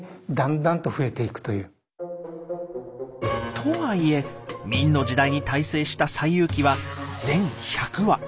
とはいえ明の時代に大成した「西遊記」は全１００話。